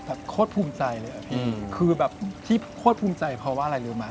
โคตรภูมิใจเลยอะพี่คือแบบที่โคตรภูมิใจเพราะว่าอะไรรู้ไหม